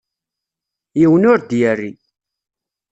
Yiwen ur d-yerri.